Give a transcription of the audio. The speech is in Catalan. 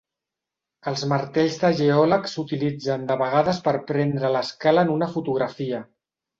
Els martells de geòleg s'utilitzen de vegades per prendre l'escala en una fotografia.